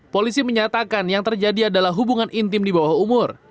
polisi menyatakan yang terjadi adalah hubungan intim di bawah umur